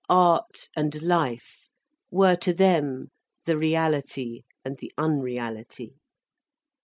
Art and Life were to them the Reality and the Unreality.